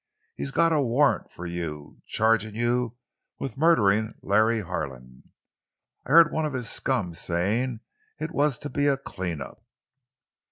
He's got a warrant for you, chargin' you with murderin' Larry Harlan! I heard one of his scum sayin' it was to be a clean up!"